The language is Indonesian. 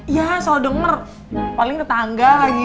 ya soal denger paling tetangga lagi